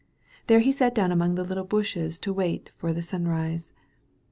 There he sat down among the little bushes to wait for sunrise.